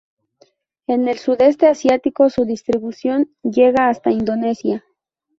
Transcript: En el sudeste asiático su distribución llega hasta Indonesia.